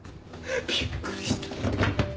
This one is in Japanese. びっくりした。